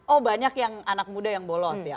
oh banyak yang anak muda yang bolos ya